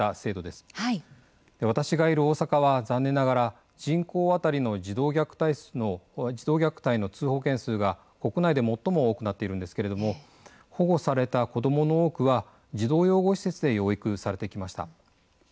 私がいる大阪は残念ながら人口当たりの児童虐待の通報件数が国内で最も多くなっているんですけれども保護された子どもの多くは児童養護施設で養育されてきました。